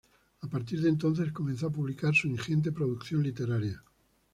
A partir de entonces comenzó a publicar su ingente producción literaria.